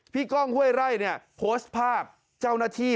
โพสต์ภาพเจ้าหน้าที่